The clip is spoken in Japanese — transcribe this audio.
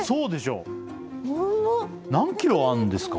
何キロあるんですか？